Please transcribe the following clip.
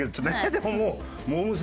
でももうモー娘。